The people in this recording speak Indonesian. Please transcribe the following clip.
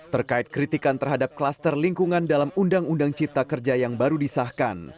terkait kritikan terhadap klaster lingkungan dalam undang undang cipta kerja yang baru disahkan